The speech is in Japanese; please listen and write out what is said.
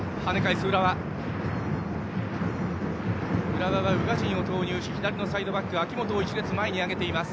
浦和は宇賀神を投入し左のサイドバック、明本を１列前に上げています。